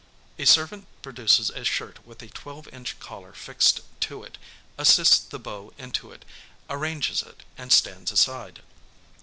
A servant produces a shirt with a 12 inch collar fixed to it, assists the Beau into it, arranges it, and stands aside.